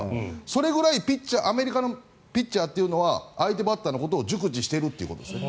それぐらいアメリカのピッチャーというのは相手バッターのことを熟知しているということですね。